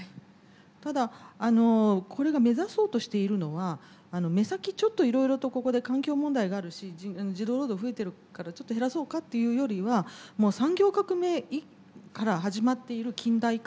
ただこれが目指そうとしているのは目先ちょっといろいろとここで環境問題があるし児童労働増えてるからちょっと減らそうかっていうよりはもう産業革命から始まっている近代化